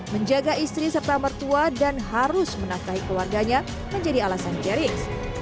menjaga istri serta mertua dan harus menafkahi keluarganya menjadi alasan jerings